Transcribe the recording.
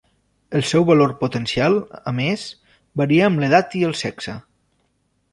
El seu valor potencial, a més, varia amb l'edat i el sexe.